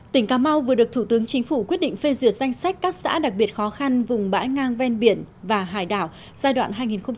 tỉnh cà mau vừa được thủ tướng chính phủ quyết định phê duyệt danh sách các xã đặc biệt khó khăn vùng bãi ngang ven biển và hải đảo giai đoạn hai nghìn một mươi chín hai nghìn hai mươi